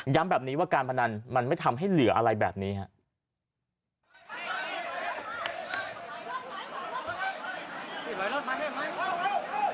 แบบนี้ว่าการพนันมันไม่ทำให้เหลืออะไรแบบนี้ครับ